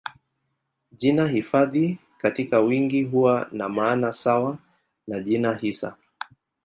Jina hifadhi katika wingi huwa na maana sawa na jina hisa.